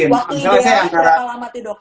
waktunya berapa lama tidur dok